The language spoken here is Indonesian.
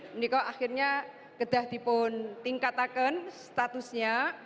meniko akhirnya kedai dipun tingkatkan statusnya